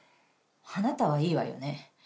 あなたはいいわよね。